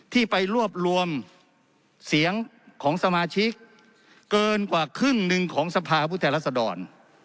ที่ไปรวบรวมเสียงของสมาชิกเกินกว่าครึ่งหนึ่งของสภาพุทธแทนรัศดร